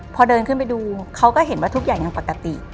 พอเดินขึ้นไปดูเขาก็เห็นว่าทุกอย่างยังปกติ